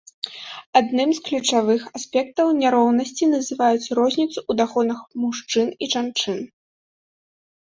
Адным з ключавых аспектаў няроўнасці называюць розніцу ў даходах мужчын і жанчын.